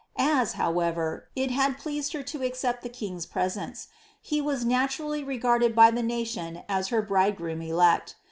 As, however, it had pleased her to accept the king's presents, he was naturally regarded by the nation as her bridegroom elect.